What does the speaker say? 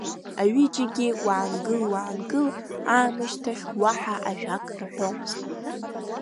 Аҩыџьегьы уаангыл, уаангыл аамышьҭахь уаҳа ажәак рҳәомызт.